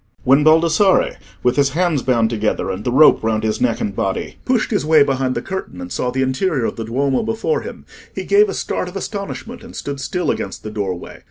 When Baldassarre, with his hands bound together, and the rope round his neck and body, pushed his way behind the curtain, and saw the interior of the Duomo before him, he gave a start of astonishment, and stood still against the doorway.